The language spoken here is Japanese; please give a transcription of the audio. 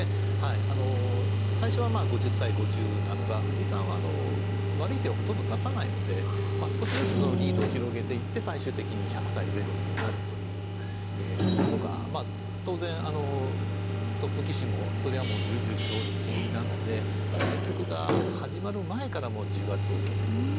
最初は５０対５０なのが藤井さんは悪い手をほとんど指さないので少しずつリードを広げていって最終的に１００対０になるということが当然トップ棋士もそれはもう重々承知なので対局が始まる前から重圧を受けているということですね。